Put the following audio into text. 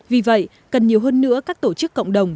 vì vậy cần nhiều hơn nữa các tổ chức cộng đồng